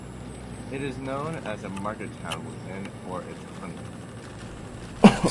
It is known as a market town and for its honey.